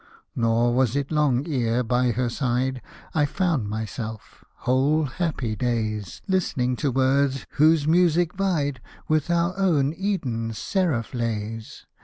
Nor was it long, ere by her side I found myself, whole happy days. Listening to words, whose music vied With our own Eden's seraph lays.